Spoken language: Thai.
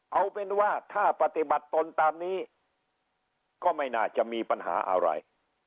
เอาเป็นว่าถ้าปฏิบัติตนตามนี้ก็ไม่น่าจะมีปัญหาอะไร